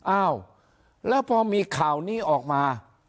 อ้าวแล้วพอมีข่าวนี้ออกมา